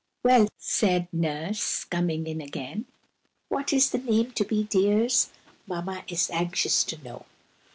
"Well!" said Nurse, coming in again, "what is the name to be, dears? Mamma is anxious to know."